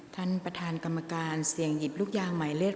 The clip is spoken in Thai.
ท่านประธานกรรมการเสี่ยงหยิบลูกยางหมายเลข